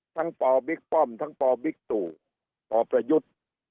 ปบิ๊กป้อมทั้งปบิ๊กตู่ปประยุทธ์